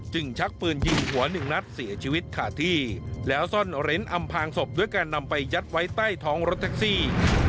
ชักปืนยิงหัวหนึ่งนัดเสียชีวิตขาดที่แล้วซ่อนเร้นอำพางศพด้วยการนำไปยัดไว้ใต้ท้องรถแท็กซี่